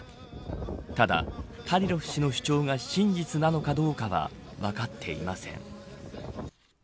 ただ、カディロフ氏の主張が真実なのかどうかは分かっていません。